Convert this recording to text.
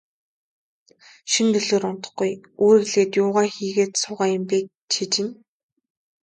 Шөнө дөлөөр унтахгүй, үүрэглээд юугаа хийгээд суугаа юм бэ, чи чинь.